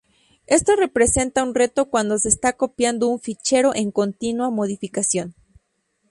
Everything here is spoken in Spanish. Esto representa un reto cuando se está copiando un fichero en continua modificación.